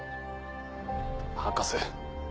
博士。